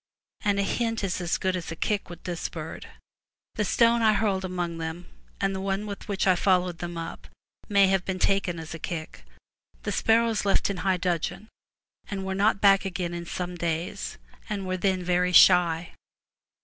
And a hint is as good as a kick with this bird. The stone I hurled among them, and the one with which I followed them up, may have been taken as a kick. The sparrows left in high dudgeon, and were not back again in some days, and were then very shy.